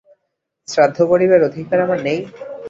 শ্রাদ্ধ করবার অধিকার আমার নেই?